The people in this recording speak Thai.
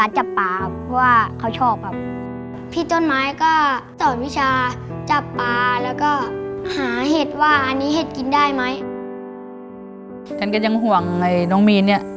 ฉันก็ยังห่วงไอ้น้องมีนเนี่ย